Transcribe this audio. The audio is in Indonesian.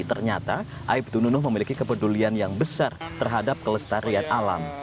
ternyata aib tununuh memiliki kepedulian yang besar terhadap kelestariannya